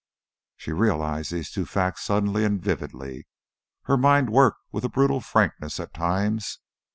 She realized these two facts suddenly and vividly; her mind worked with a brutal frankness at times.